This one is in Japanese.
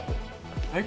はい？